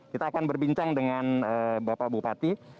kita akan berbincang dengan bapak bupati